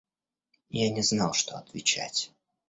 Я не знал, что отвечать.